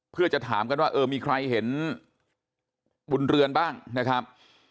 เพื่อจะถามกันว่าเออมีใครเห็นบุญเรือนบ้างนะครับ